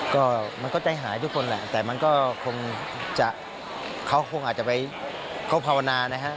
ก็มันก็ใจหายทุกคนแหละแต่มันก็คงจะเขาคงอาจจะไปเขาภาวนานะฮะ